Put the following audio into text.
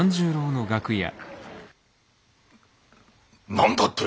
何だって！？